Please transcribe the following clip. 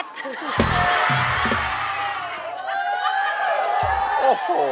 โอ้โห